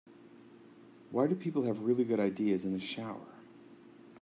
Why do people have really good ideas in the shower?